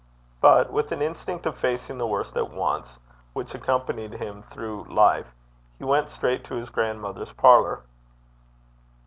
But, with an instinct of facing the worst at once which accompanied him through life, he went straight to his grandmother's parlour.